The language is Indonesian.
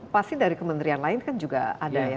pasti dari kementerian lain kan juga ada ya